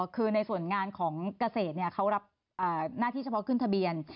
คือในส่วนงานของเกษตรเขารับหน้าที่เฉพาะขึ้นทะเบียน